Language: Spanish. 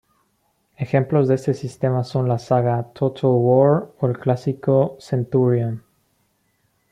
Ejemplos de este sistema son la saga "Total War" o el clásico "Centurion".